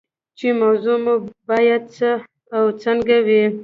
چې موضوع مو باید څه او څنګه وي.